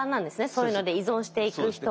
そういうので依存していく人は。